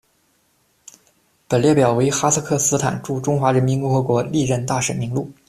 本列表为哈萨克斯坦驻中华人民共和国历任大使名录。